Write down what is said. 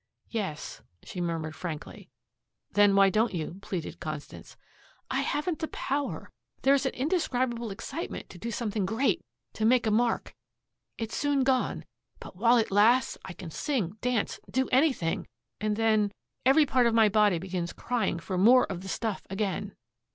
"Yes," she murmured frankly. "Then why don't you?" pleaded Constance. "I haven't the power. There is an indescribable excitement to do something great, to make a mark. It's soon gone, but while it lasts, I can sing, dance, do anything and then every part of my body begins crying for more of the stuff again."